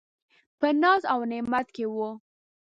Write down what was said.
په ناز او په نعمت کي و .